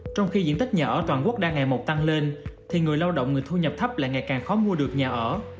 trong khi diện tích nhà ở toàn quốc đang ngày một tăng lên thì người lao động người thu nhập thấp lại ngày càng khó mua được nhà ở